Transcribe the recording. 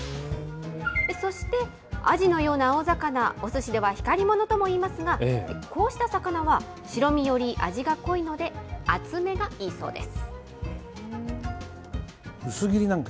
そしてアジのような青魚、おすしでは光ものともいいますが、こうした魚は、白身より味が濃いので、厚めがいいそうです。